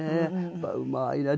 やっぱりうまいな。